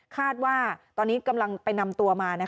คาดว่าตอนนี้กำลังไปนำตัวมา